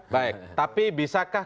baik tapi bisakah